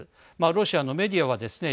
ロシアのメディアはですね